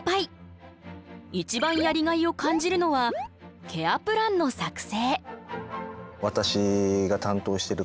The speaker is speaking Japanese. いちばんやりがいを感じるのはケアプランの作成。